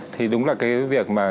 thì đúng là cái việc mà